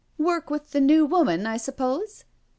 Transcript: " Work with the New Woman, I suppose?"